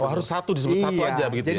oh harus satu disebut satu aja begitu ya